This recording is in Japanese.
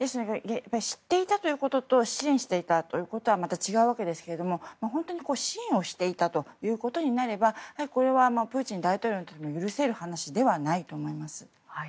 知っていたということと支援していたということはまた違うわけですけど本当に支援をしていたということになればプーチン大統領にとって許せる話ではないと思います。